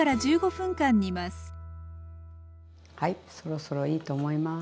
そろそろいいと思います。